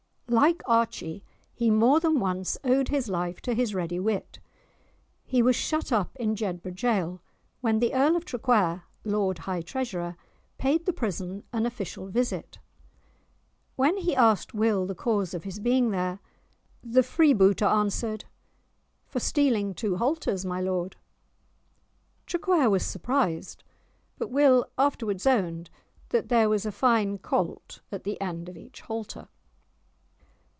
Like Archie, he more than once owed his life to his ready wit. He was shut up in Jedburgh jail when the Earl of Traquair, Lord High Treasurer, paid the prison an official visit. When he asked Will the cause of his being there, the freebooter answered:— "For stealing two halters, my lord." Traquair was surprised, but Will afterwards owned that there was a fine colt at the end of each halter.